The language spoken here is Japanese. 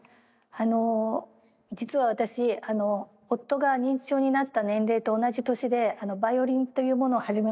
あの実は私夫が認知症になった年齢と同じ年でバイオリンというものを始めまして